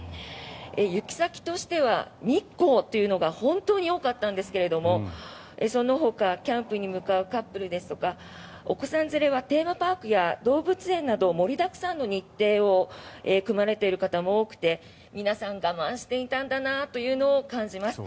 行き先としては日光というのが本当に多かったんですがそのほか、キャンプに向かうカップルですとかお子さん連れはテーマパークや動物園など盛りだくさんの日程を組まれている方も多くて皆さん、我慢していたんだなというのを感じます。